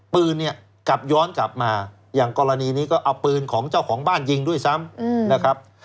ปืนเนี่ยกลับย้อนกลับมาอย่างกรณีนี้ก็เอาปืนของเจ้าของบ้านยิงด้วยซ้ำนะครับ